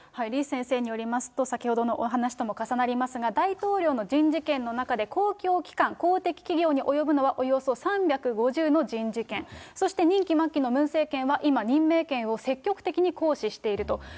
李先生によりますと、先ほどのお話とも重なりますが、大統領の人事権の中で、公共機関、公的企業に及ぶのはおよそ３５０の人事権、そして任期末期のムン政権は今、任命権を積極的に行使していると。